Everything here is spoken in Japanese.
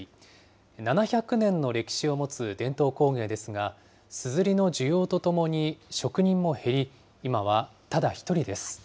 ７００年の歴史を持つ伝統工芸ですが、すずりの需要とともに職人も減り、今はただ一人です。